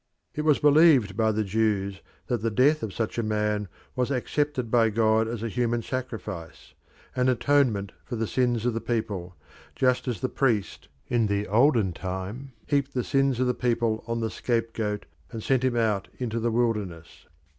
It was believed by the Jews that the death of such a man was accepted by God as a human sacrifice, an atonement for the sins of the people, just as the priest in the olden time heaped the sins of the people on the scapegoat and sent him out into the wilderness.